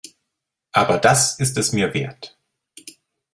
Aber das ist es mir wert.